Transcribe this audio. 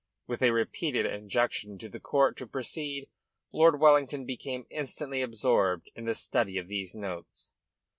With a repeated injunction to the court to proceed, Lord Wellington became instantly absorbed in the study of these notes.